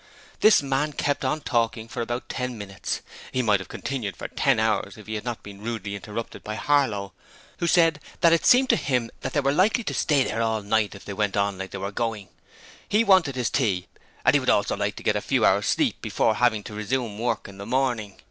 This man kept on talking for about ten minutes, and might have continued for ten hours if he had not been rudely interrupted by Harlow, who said that it seemed to him that they were likely to stay there all night if they went on like they were going. He wanted his tea, and he would also like to get a few hours' sleep before having to resume work in the morning.